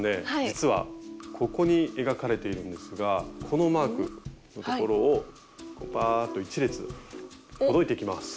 実はここに描かれているんですがこのマークのところをバアーッと１列ほどいていきます。